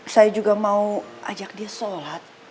saya juga mau ajak dia sholat